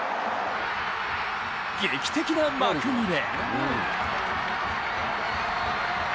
劇的な幕切れ。